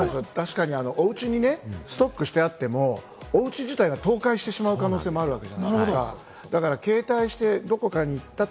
おうちにストックしてあっても、おうち自体が倒壊してしまう可能性もあるわけじゃないですか。